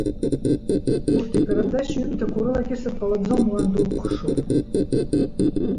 Урҭ икаландашь ҩымҭақәа урылакьысыр ҟалаӡом, уан дукәыхшоуп!